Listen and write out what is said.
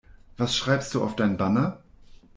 Was schreibst du auf dein Banner?